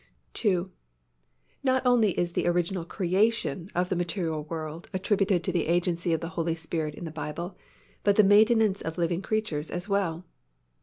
II. Not only is the original creation of the material universe attributed to the agency of the Holy Spirit in the Bible but the maintenance of living creatures as well.